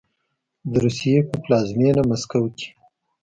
د روسیې په پلازمینه مسکو کې